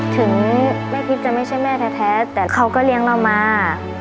ถึงแม่ทิพย์จะไม่ใช่แม่แท้แต่เขาก็เลี้ยงเรามา